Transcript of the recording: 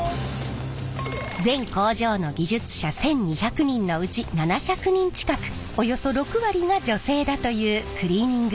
全工場の技術者１，２００人のうち７００人近くおよそ６割が女性だというクリーニング工場。